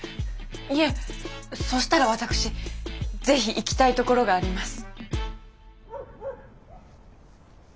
いえそしたら私ぜひ行きたいところがあります。